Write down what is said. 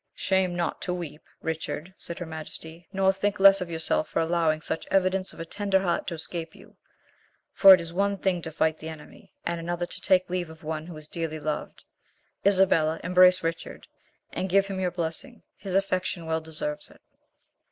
"Shame not to weep, Richard," said her majesty, "nor think less of yourself for allowing such evidence of a tender heart to escape you, for it is one thing to fight the enemy, and another to take leave of one who is dearly loved. Isabella, embrace Richard, and give him your blessing: his affection well deserves it."